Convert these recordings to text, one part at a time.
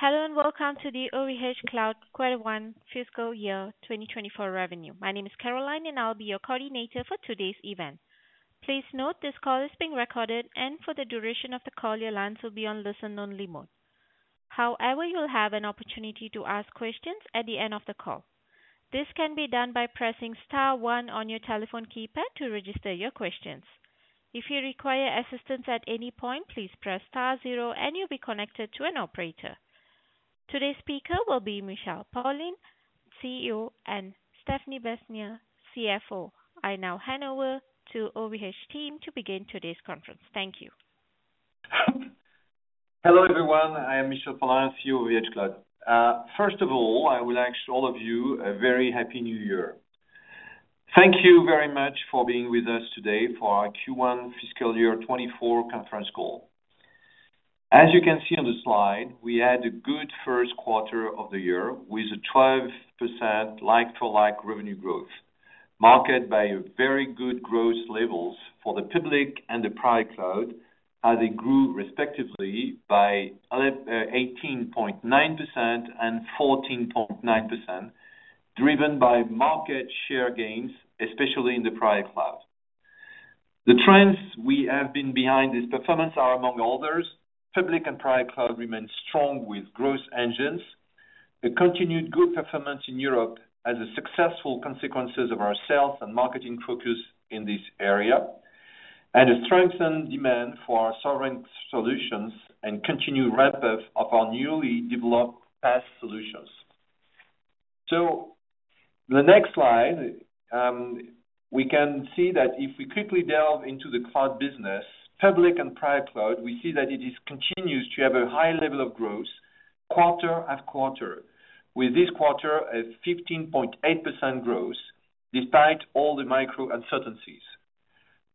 Hello, and welcome to the OVHcloud Q1 Fiscal Year 2024 Revenue. My name is Caroline, and I'll be your coordinator for today's event. Please note, this call is being recorded, and for the duration of the call, your lines will be on listen-only mode. However, you'll have an opportunity to ask questions at the end of the call. This can be done by pressing star one on your telephone keypad to register your questions. If you require assistance at any point, please press star zero, and you'll be connected to an operator. Today's speaker will be Michel Paulin, CEO, and Stéphanie Besnier, CFO. I now hand over to OVHcloud team to begin today's conference. Thank you. Hello, everyone. I am Michel Paulin, CEO of OVHcloud. First of all, I wish all of you a very happy New Year. Thank you very much for being with us today for our Q1 fiscal year 2024 conference call. As you can see on the slide, we had a good first quarter of the year, with a 12% like-for-like revenue growth, marked by very good growth levels for the public and the private cloud, as they grew respectively by 18.9% and 14.9%, driven by market share gains, especially in the private cloud. The trends we have been behind this performance are, among others, public and private cloud remains strong with growth engines. The continued good performance in Europe as a successful consequence of our sales and marketing focus in this area, and a strengthened demand for our sovereign solutions and continued ramp-up of our newly developed PaaS solutions. So the next slide, we can see that if we quickly delve into the cloud business, public and private cloud, we see that it continues to have a high level of growth quarter-after-quarter, with this quarter a 15.8% growth, despite all the macro uncertainties.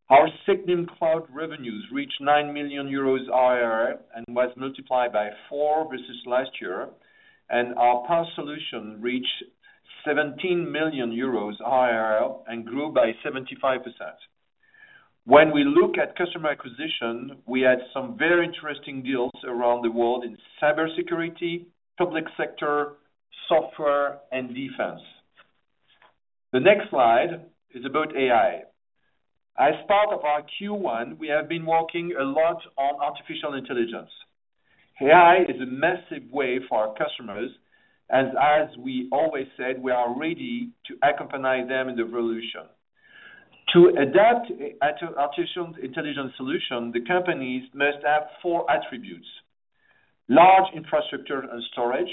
Our sovereign cloud revenues reached 9 million euros ARR and were multiplied by 4 versus last year, and our PaaS solution reached 17 million euros ARR and grew by 75%. When we look at customer acquisition, we had some very interesting deals around the world in cybersecurity, public sector, software, and defense. The next slide is about AI. As part of our Q1, we have been working a lot on artificial intelligence. AI is a massive way for our customers, and as we always said, we are ready to accompany them in the revolution. To adapt artificial intelligence solution, the companies must have four attributes: large infrastructure and storage,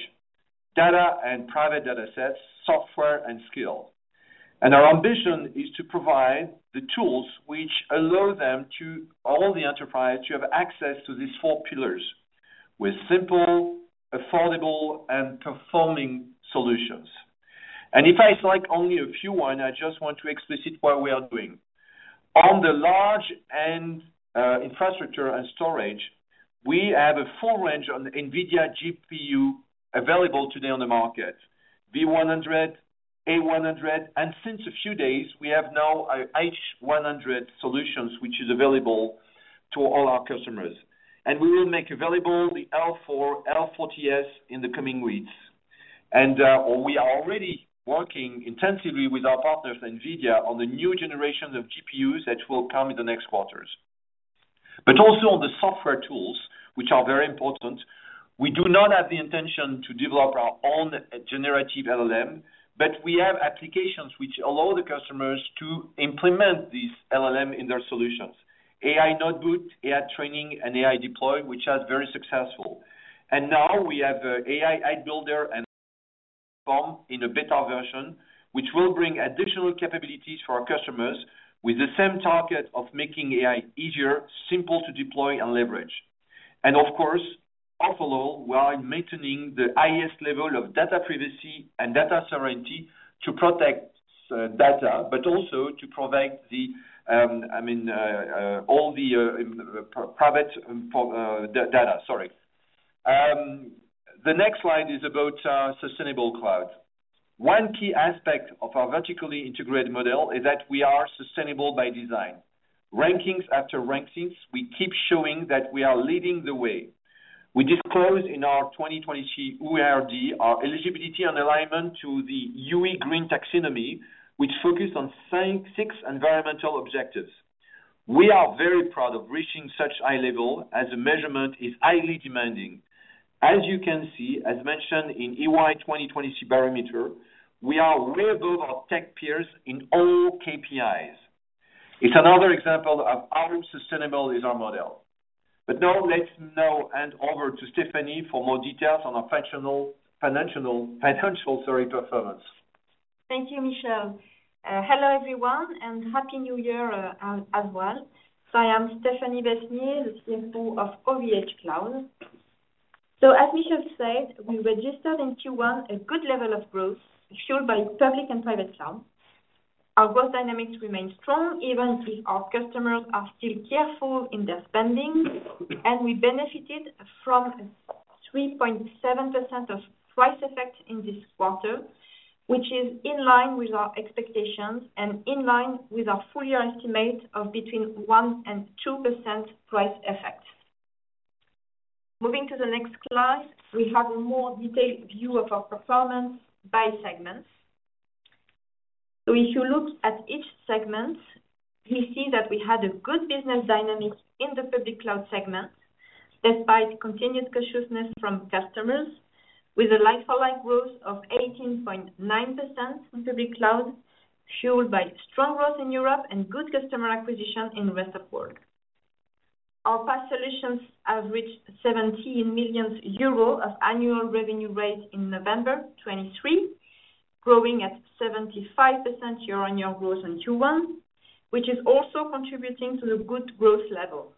data and private data sets, software and skill. Our ambition is to provide the tools which allow them to all the enterprise to have access to these four pillars with simple, affordable, and performing solutions. If I select only a few one, I just want to explicit what we are doing. On the large end, infrastructure and storage, we have a full range on NVIDIA GPU available today on the market, V100, A100, and since a few days, we have now our H100 solutions, which is available to all our customers. And we will make available the L4, L40S in the coming weeks. And we are already working intensively with our partners, NVIDIA, on the new generation of GPUs that will come in the next quarters. But also on the software tools, which are very important, we do not have the intention to develop our own generative LLM, but we have applications which allow the customers to implement these LLM in their solutions. AI Notebook, AI Training, and AI Deploy, which are very successful. And now we have AI App Builder and in a beta version, which will bring additional capabilities for our customers with the same target of making AI easier, simple to deploy and leverage. Of course, after all, we are maintaining the highest level of data privacy and data sovereignty to protect, data, but also to protect the, I mean, all the, private, data. The next slide is about, sustainable cloud. One key aspect of our vertically integrated model is that we are sustainable by design. Rankings after rankings, we keep showing that we are leading the way. We disclosed in our 2023 URD, our eligibility and alignment to the EU Green Taxonomy, which focused on six environmental objectives. We are very proud of reaching such high level, as the measurement is highly demanding. As you can see, as mentioned in EY 2023 barometer, we are way above our tech peers in all KPIs. It's another example of how sustainable is our model. But now let's hand over to Stéphanie for more details on our functional, financial, sorry, performance. Thank you, Michel. Hello, everyone, and happy New Year as well. So I am Stéphanie Besnier, the CFO of OVHcloud. So as Michel said, we registered in Q1 a good level of growth, fueled by public and private cloud. Our growth dynamics remain strong, even if our customers are still careful in their spending, and we benefited from a 3.7% price effect in this quarter, which is in line with our expectations and in line with our full year estimate of between 1% and 2% price effect. Moving to the next slide, we have a more detailed view of our performance by segments. If you look at each segment, we see that we had a good business dynamics in the public cloud segment, despite continued cautiousness from customers, with a like-for-like growth of 18.9% in public cloud, fueled by strong growth in Europe and good customer acquisition in the rest of world. Our PaaS solutions have reached 17 million euros of annual revenue rate in November 2023, growing at 75% year-on-year growth in Q1, which is also contributing to the good growth level.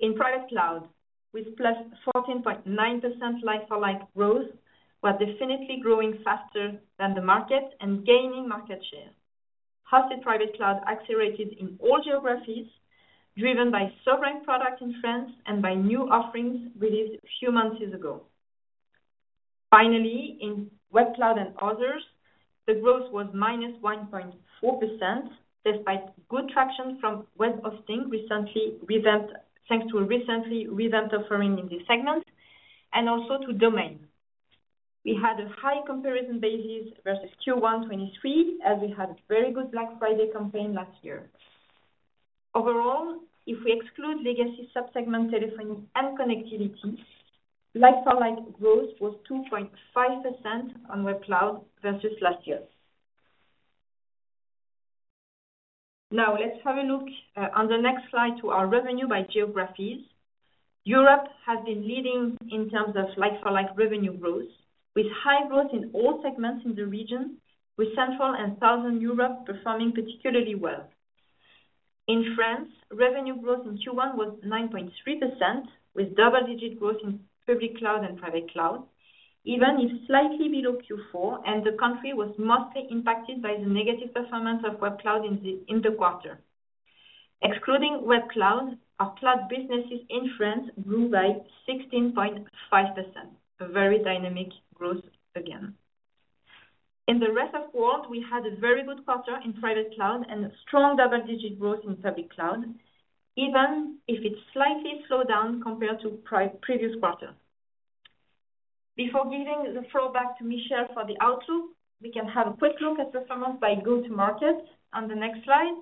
In private cloud, with +14.9% like-for-like growth, we're definitely growing faster than the market and gaining market share. Hosted private cloud accelerated in all geographies, driven by sovereign product in France and by new offerings released a few months ago. Finally, in web cloud and others, the growth was -1.4%, despite good traction from web hosting, recently revamped, thanks to a recently revamped offering in this segment and also to domain. We had a high comparison basis versus Q1 2023, as we had a very good Black Friday campaign last year. Overall, if we exclude legacy sub-segment, telephony, and connectivity, like-for-like growth was 2.5% on web cloud versus last year. Now, let's have a look on the next slide to our revenue by geographies. Europe has been leading in terms of like-for-like revenue growth, with high growth in all segments in the region, with Central and Southern Europe performing particularly well. In France, revenue growth in Q1 was 9.3%, with double-digit growth in public cloud and private cloud, even if slightly below Q4, and the country was mostly impacted by the negative performance of web cloud in the quarter. Excluding web cloud, our cloud businesses in France grew by 16.5%. A very dynamic growth again. In the rest of world, we had a very good quarter in private cloud and a strong double-digit growth in public cloud, even if it's slightly slowed down compared to previous quarter. Before giving the floor back to Michel for the outlook, we can have a quick look at performance by go-to-market on the next slide.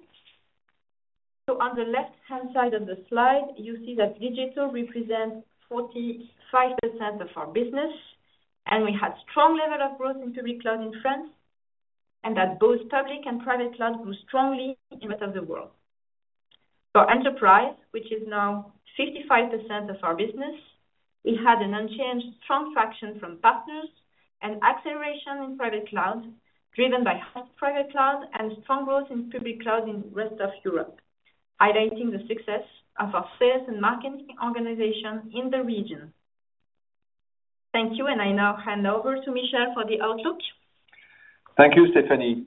So on the left-hand side of the slide, you see that digital represents 45% of our business, and we had strong level of growth in public cloud in France, and that both public and private cloud grew strongly in the rest of the world. For enterprise, which is now 55% of our business, we had an unchanged strong traction from partners and acceleration in private cloud, driven by private cloud and strong growth in public cloud in rest of Europe, highlighting the success of our sales and marketing organization in the region. Thank you, and I now hand over to Michel for the outlook. Thank you, Stéphanie.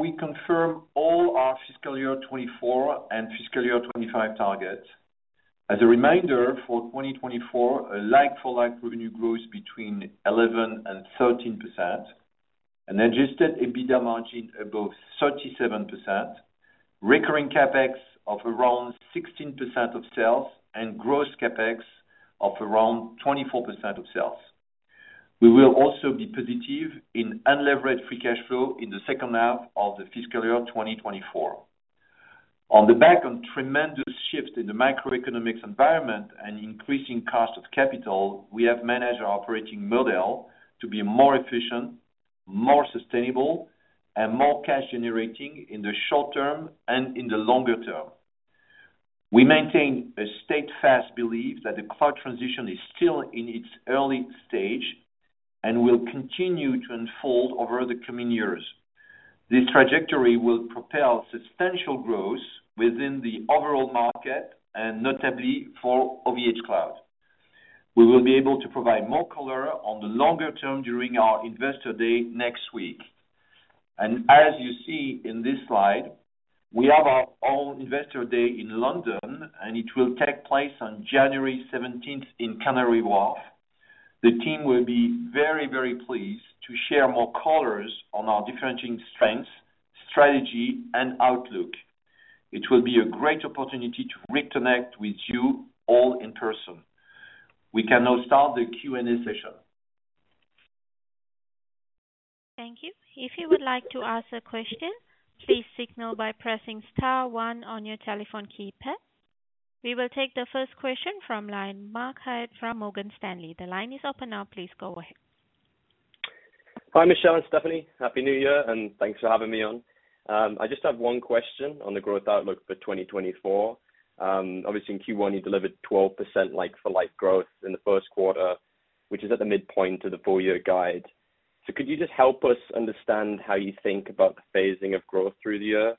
We confirm all our fiscal year 2024 and fiscal year 2025 targets. As a reminder, for 2024, a like-for-like revenue growth between 11%-13%, an adjusted EBITDA margin above 37%, recurring CapEx of around 16% of sales, and gross CapEx of around 24% of sales. We will also be positive in unlevered free cash flow in the second half of the fiscal year 2024. On the back of tremendous shifts in the macroeconomic environment and increasing cost of capital, we have managed our operating model to be more efficient, more sustainable, and more cash generating in the short term and in the longer term. We maintain a steadfast belief that the cloud transition is still in its early stage and will continue to unfold over the coming years. This trajectory will propel substantial growth within the overall market and notably for OVHcloud. We will be able to provide more color on the longer term during our Investor Day next week. As you see in this slide, we have our own Investor Day in London, and it will take place on January seventeenth in Canary Wharf. The team will be very, very pleased to share more colors on our differentiating strengths, strategy, and outlook. It will be a great opportunity to reconnect with you all in person. We can now start the Q&A session. Thank you. If you would like to ask a question, please signal by pressing star one on your telephone keypad. We will take the first question from line. Max Hyde from Morgan Stanley. The line is open now. Please go ahead. Hi, Michel and Stéphanie. Happy New Year, and thanks for having me on. I just have one question on the growth outlook for 2024. Obviously in Q1, you delivered 12% like-for-like growth in the first quarter, which is at the midpoint of the full year guide. Could you just help us understand how you think about the phasing of growth through the year?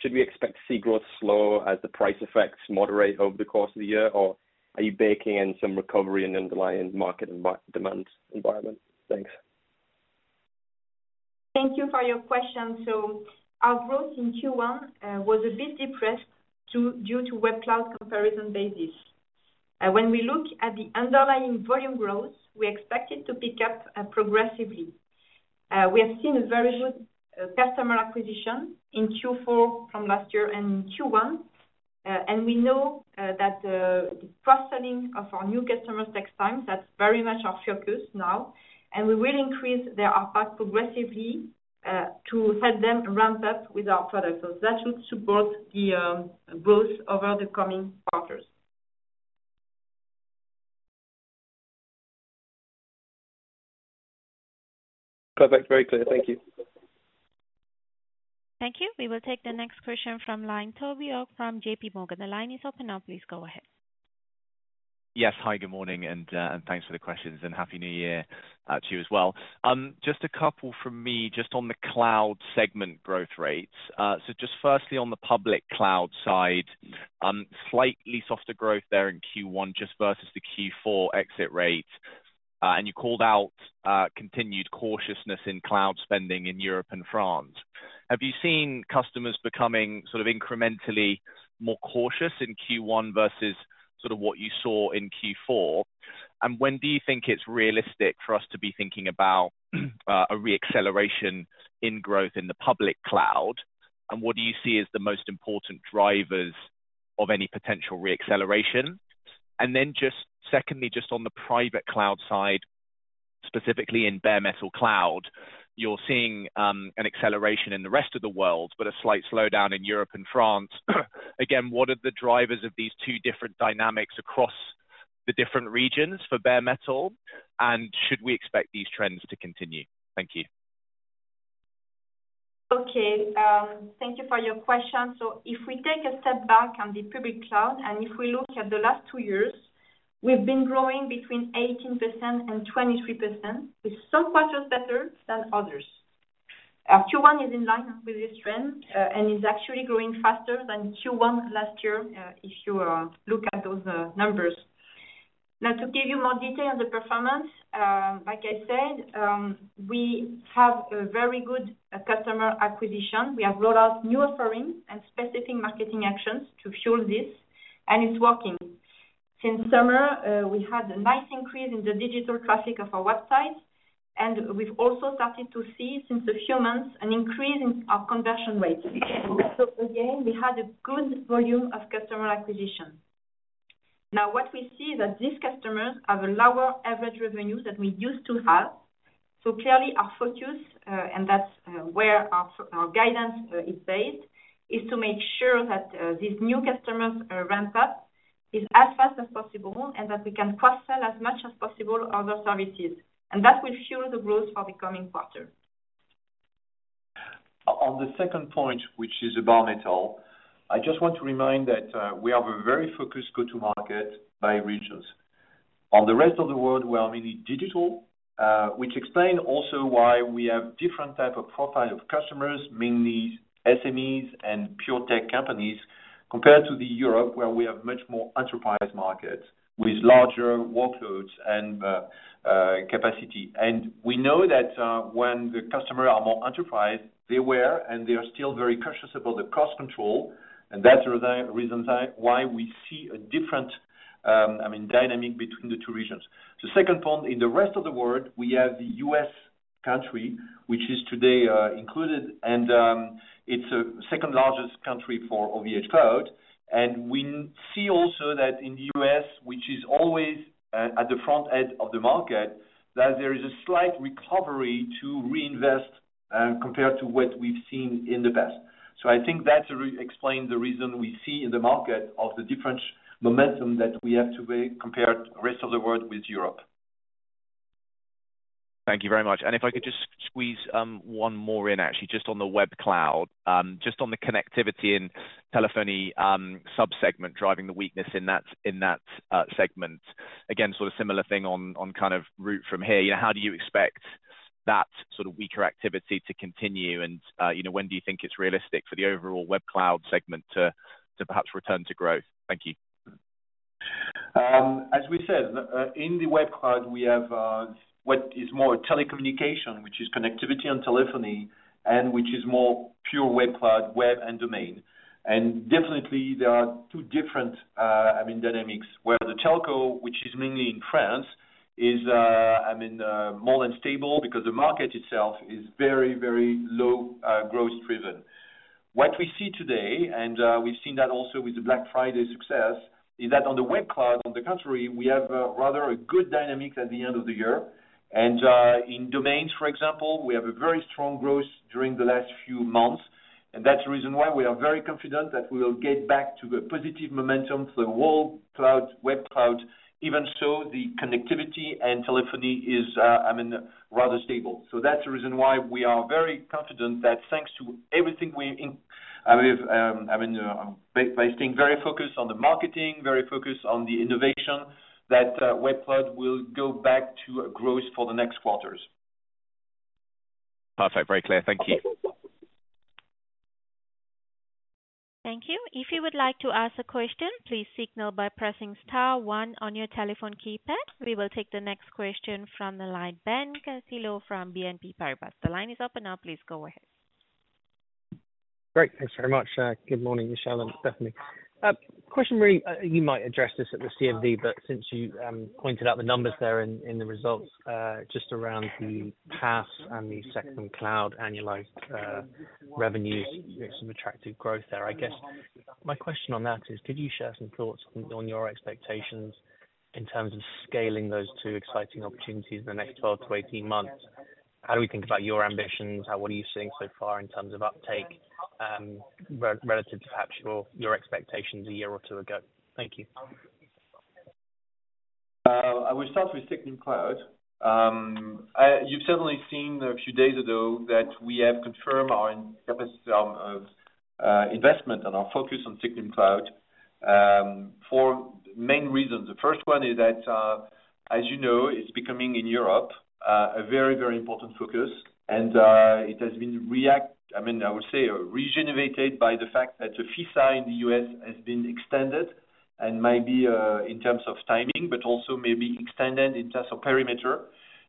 Should we expect to see growth slow as the price effects moderate over the course of the year, or are you baking in some recovery in the underlying market and demand environment? Thanks. Thank you for your question. So our growth in Q1 was a bit depressed due to web cloud comparison basis. When we look at the underlying volume growth, we expect it to pick up progressively. We have seen a very good customer acquisition in Q4 from last year and in Q1. And we know that the cross-selling of our new customers next time, that's very much our focus now, and we will increase their impact progressively to help them ramp up with our product. So that should support the growth over the coming quarters. Perfect. Very clear. Thank you. Thank you. We will take the next question from line, Toby Ogg from JPMorgan. The line is open now, please go ahead. Yes. Hi, good morning, and, and thanks for the questions, and Happy New Year, to you as well. Just a couple from me, just on the cloud segment growth rates. So just firstly, on the Public Cloud side, slightly softer growth there in Q1, just versus the Q4 exit rate. And you called out, continued cautiousness in cloud spending in Europe and France. Have you seen customers becoming sort of incrementally more cautious in Q1 versus sort of what you saw in Q4? And when do you think it's realistic for us to be thinking about, a reacceleration in growth in the public cloud? And what do you see as the most important drivers of any potential reacceleration? And then just secondly, just on the private cloud side, specifically in Bare Metal Cloud, you're seeing an acceleration in the rest of the world, but a slight slowdown in Europe and France. Again, what are the drivers of these two different dynamics across the different regions for Bare Metal, and should we expect these trends to continue? Thank you. Okay. Thank you for your question. So if we take a step back on the public cloud, and if we look at the last two years, we've been growing between 18% and 23%, with some quarters better than others. Q1 is in line with this trend, and is actually growing faster than Q1 last year, if you look at those numbers. Now, to give you more detail on the performance, like I said, we have a very good customer acquisition. We have rolled out new offerings and specific marketing actions to fuel this, and it's working. Since summer, we had a nice increase in the digital traffic of our website, and we've also started to see, since a few months, an increase in our conversion rates. So again, we had a good volume of customer acquisition. Now, what we see is that these customers have a lower average revenue than we used to have. So clearly, our focus, and that's, where our, our guidance, is based, is to make sure that, these new customers, ramp up, is as fast as possible, and that we can cross-sell as much as possible other services. And that will show the growth for the coming quarter. On the second point, which is Bare Metal, I just want to remind that we have a very focused go-to-market by regions. On the rest of the world, we are mainly digital, which explain also why we have different type of profile of customers, mainly SMEs and pure tech companies, compared to Europe, where we have much more enterprise markets with larger workloads and capacity. We know that when the customer are more enterprise, they were, and they are still very conscious about the cost control, and that's the reasons why we see a different, I mean, dynamic between the two regions. The second point, in the rest of the world, we have the U.S. country, which is today included, and it's the second largest country for OVHcloud. We see also that in the US, which is always at the front edge of the market, that there is a slight recovery to reinvest, compared to what we've seen in the past. So I think that explain the reason we see in the market of the different momentum that we have today, compared rest of the world with Europe. Thank you very much. And if I could just squeeze one more in actually, just on the web cloud. Just on the connectivity and telephony subsegment, driving the weakness in that, in that segment. Again, sort of similar thing on, on kind of route from here. How do you expect that sort of weaker activity to continue? And, you know, when do you think it's realistic for the overall web cloud segment to, to perhaps return to growth? Thank you. As we said, in the web cloud, we have what is more telecommunication, which is connectivity and telephony, and which is more pure web cloud, web and domain. And definitely, there are two different, I mean, dynamics, where the telco, which is mainly in France, is, I mean, more than stable because the market itself is very, very low growth driven. What we see today, and we've seen that also with the Black Friday success, is that on the web cloud, on the contrary, we have a rather a good dynamic at the end of the year. And in domains, for example, we have a very strong growth during the last few months, and that's the reason why we are very confident that we will get back to the positive momentum for the whole cloud, web cloud. Even so, the connectivity and telephony is, I mean, rather stable. So that's the reason why we are very confident that thanks to everything we I mean, I mean, by staying very focused on the marketing, very focused on the innovation, that, web cloud will go back to a growth for the next quarters. Perfect. Very clear. Thank you. Thank you. If you would like to ask a question, please signal by pressing star one on your telephone keypad. We will take the next question from the line, Ben Castillo-Bernaus from BNP Paribas. The line is open now, please go ahead. Great. Thanks very much. Good morning, Michel and Stéphanie. Question really, you might address this at the CMD, but since you pointed out the numbers there in the results, just around the PaaS and the SaaS cloud annualized revenues, some attractive growth there. I guess, my question on that is, could you share some thoughts on your expectations in terms of scaling those two exciting opportunities in the next 12-18 months? How do we think about your ambitions? How, what are you seeing so far in terms of uptake, relative to actual, your expectations a year or two ago? Thank you. I will start with SecNumCloud. You've certainly seen a few days ago that we have confirmed our investment and our focus on SecNumCloud for main reasons. The first one is that, as you know, it's becoming in Europe a very, very important focus, and it has been, I mean, I would say, rejuvenated by the fact that the FISA in the US has been extended and maybe in terms of timing, but also maybe extended in terms of perimeter.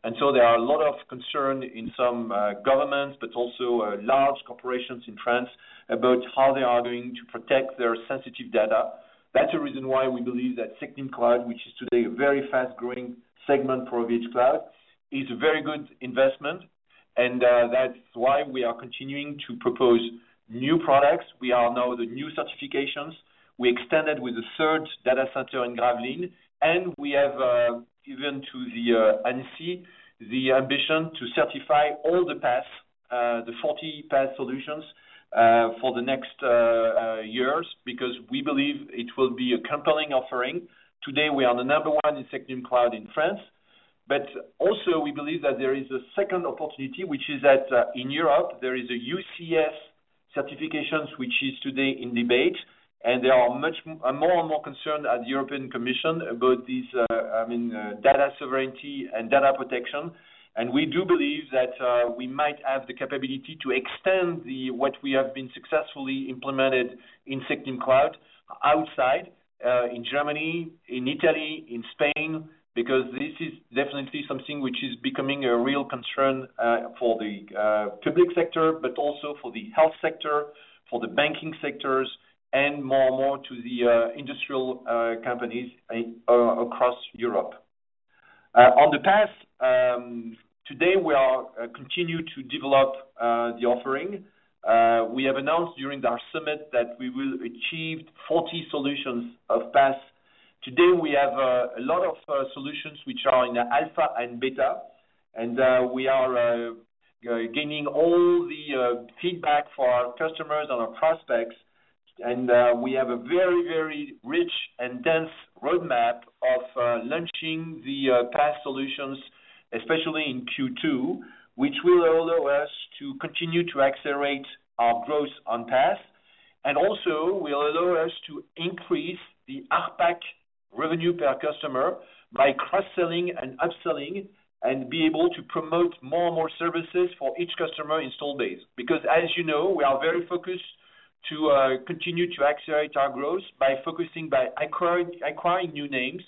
And so there are a lot of concern in some governments, but also large corporations in France, about how they are going to protect their sensitive data. That's the reason why we believe that SecNumCloud, which is today a very fast-growing segment for OVHcloud, is a very good investment, and that's why we are continuing to propose new products. We are now the new certifications. We extended with the third data center in Gravelines, and we have given to the ANSSI the ambition to certify all the PaaS, the 40 PaaS solutions, for the next years, because we believe it will be a compelling offering. Today, we are the number one in SecNumCloud in France. But also we believe that there is a second opportunity, which is that in Europe, there is a EUCS certifications, which is today in debate, and there are much more and more concerned at the European Commission about this, I mean, data sovereignty and data protection. We do believe that we might have the capability to extend what we have been successfully implemented in SecNumCloud outside, in Germany, in Italy, in Spain, because this is definitely something which is becoming a real concern for the public sector, but also for the health sector, for the banking sectors, and more and more to the industrial companies across Europe. In the past, today, we continue to develop the offering. We have announced during our summit that we will achieve 40 solutions of PaaS. Today, we have a lot of solutions which are in alpha and beta, and we are gaining all the feedback for our customers and our prospects. We have a very, very rich and dense roadmap of launching the PaaS solutions, especially in Q2, which will allow us to continue to accelerate our growth on PaaS, and also will allow us to increase the ARPAC revenue per customer by cross-selling and upselling, and be able to promote more and more services for each customer installed base. Because as you know, we are very focused to continue to accelerate our growth by focusing by acquiring new names,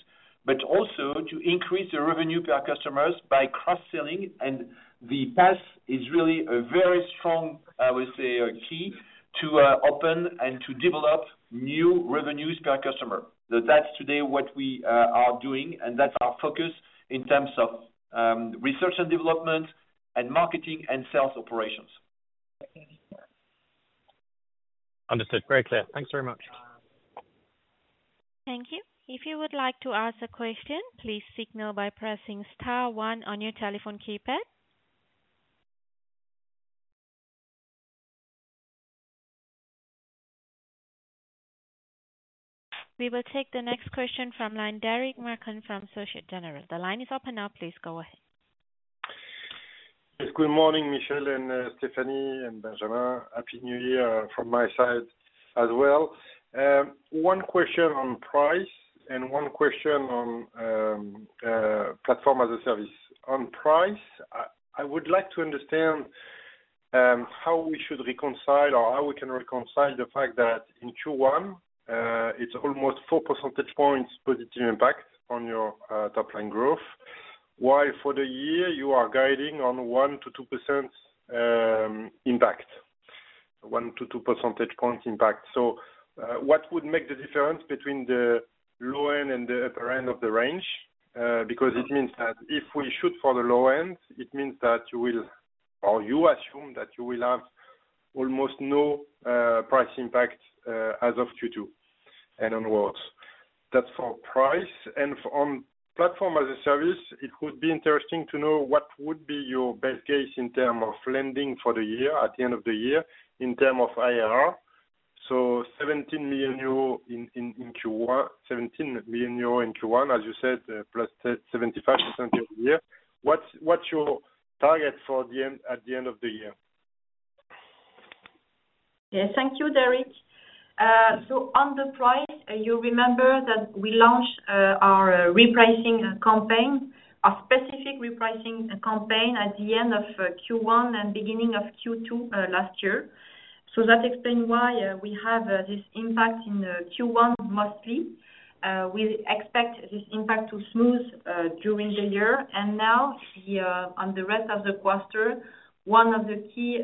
but also to increase the revenue per our customers by cross-selling. And the PaaS is really a very strong, I would say, a key to open and to develop new revenues per customer. So that's today what we are doing, and that's our focus in terms of research and development, and marketing, and sales operations. Understood. Very clear. Thanks very much. Thank you. If you would like to ask a question, please signal by pressing star one on your telephone keypad. We will take the next question from line, Derric Marcon from Société Générale. The line is open now, please go ahead. Good morning, Michel and Stéphanie, and Benjamin. Happy New Year from my side as well. One question on price and one question on platform as a service. On price, I would like to understand how we should reconcile or how we can reconcile the fact that in Q1, it's almost 4 percentage points positive impact on your top line growth. While for the year, you are guiding on 1%-2% impact, 1-2 percentage points impact. So, what would make the difference between the low end and the upper end of the range? Because it means that if we shoot for the low end, it means that you will, or you assume that you will have almost no price impact as of Q2 and onwards. That's for price, and for on platform as a service, it would be interesting to know what would be your best case in terms of lending for the year, at the end of the year, in terms of ARR. So 17 million euro in Q1, 17 million euro in Q1, as you said, plus 75% year-on-year. What's your target for the end, at the end of the year? Yes, thank you, Derric. So on the price, you remember that we launched our repricing campaign, a specific repricing campaign at the end of Q1 and beginning of Q2 last year. So that explains why we have this impact in Q1 mostly. We expect this impact to smooth during the year. Now, on the rest of the cluster, one of the key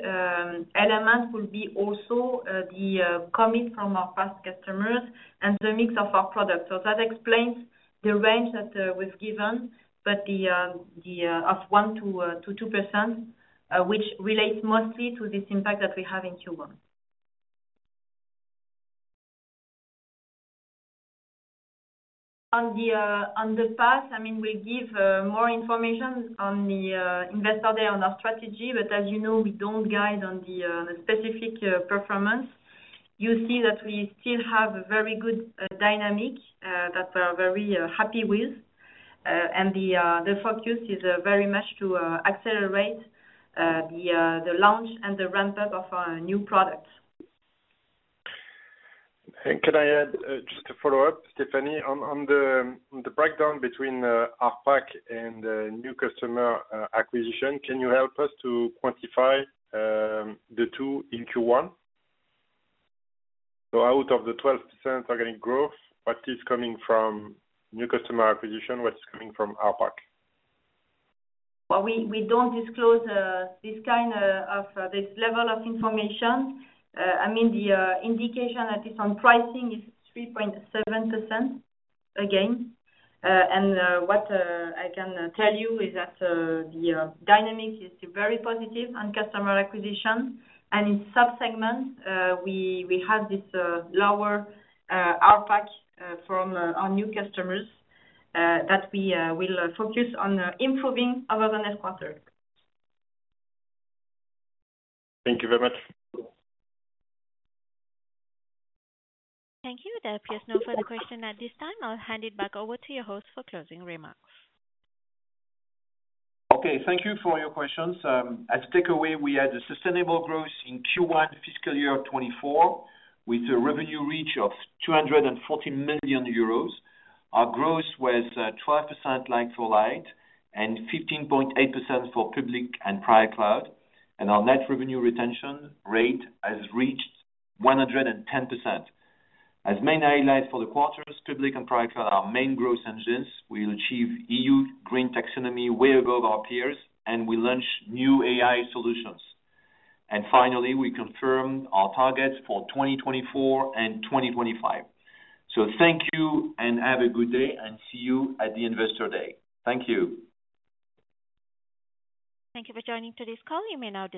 elements will be also the commit from our past customers and the mix of our products. So that explains the range that we've given, but the 1%-2%, which relates mostly to this impact that we have in Q1. On the path, I mean, we give more information on the Investor Day on our strategy. But as you know, we don't guide on the specific performance. You see that we still have a very good dynamic that we're very happy with. The focus is very much to the launch and the ramp-up of our new products. Can I add just to follow up, Stéphanie, on the breakdown between ARPAC and new customer acquisition, can you help us to quantify the two in Q1? So out of the 12% organic growth, what is coming from new customer acquisition, what is coming from ARPAC? Well, we, we don't disclose this kind of this level of information. I mean, the indication at least on pricing is 3.7% again. And what I can tell you is that the dynamic is still very positive on customer acquisition. And in sub-segments, we, we have this lower ARPAC from our new customers that we will focus on improving over the next quarter. Thank you very much. Thank you. There appears no further question at this time. I'll hand it back over to your host for closing remarks. Okay. Thank you for your questions. As takeaway, we had a sustainable growth in Q1 fiscal year 2024, with a revenue reach of 240 million euros. Our growth was 12% like-for-like and 15.8% for Public and private cloud, and our net revenue retention rate has reached 110%. As main highlights for the quarters, Public and private cloud are our main growth engines. We achieved EU Green Taxonomy way above our peers, and we launched new AI solutions. Finally, we confirmed our targets for 2024 and 2025. So thank you and have a good day, and see you at the Investor Day. Thank you. Thank you for joining today's call. You may now disconnect.